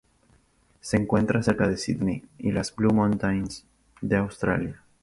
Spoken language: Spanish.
Se encuentra cerca de Sídney y las Blue Mountains en Australia.